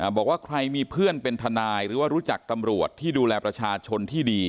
บอกว่าใครมีเพื่อนเป็นทนายหรือว่ารู้จักตำรวจที่ดูแลประชาชนที่ดี